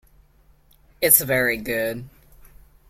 It's very good.